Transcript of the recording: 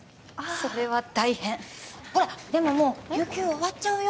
それは大変ほらでももう有休終わっちゃうよ